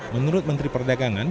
menurut menteri perdagangan